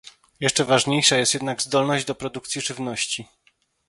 Jeszcze ważniejsza jest jednak zdolność do produkcji żywności